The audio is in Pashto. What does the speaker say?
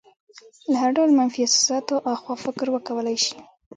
له هر ډول منفي احساساتو اخوا فکر وکولی شي.